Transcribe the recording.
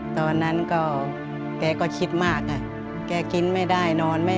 ตอนนั้นก็แกก็คิดมากแกกินไม่ได้นอนไม่